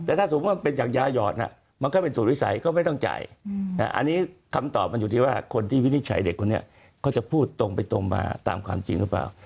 แต่ถ้าสมมุติว่าเป็นจากยาหยอดมันก็เป็นสูตรวิสัยก็ไม่ต้องจ่ายอันนี้คำตอบมันอยู่ที่ว่าคนที่วินิจฉัยเด็กคนนี้เขาจะพูดตรงไปตรงมาตามความจริงหรือเปล่า